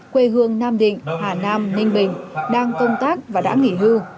quê hương nam định hà nam ninh bình đang công tác và đã nghỉ hưu